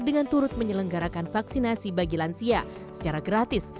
dengan turut menyelenggarakan vaksinasi bagi lansia secara gratis